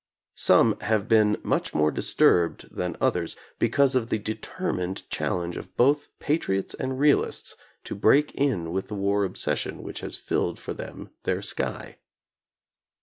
Some have been much more disturbed than others, because of the determined challenge of both patriots and realists to break in with the war obsession which has filled for them their sky.